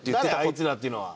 「あいつら」っていうのは。